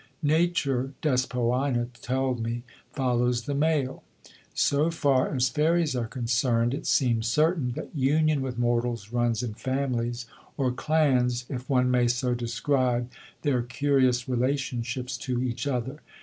"Nature," Despoina told me, "follows the male." So far as fairies are concerned it seems certain that union with mortals runs in families or clans, if one may so describe their curious relationships to each other.